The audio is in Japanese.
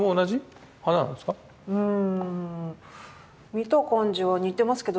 見た感じは似てますけどでも。